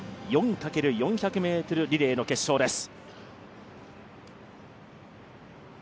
女子４×４００ｍリレーの決勝です。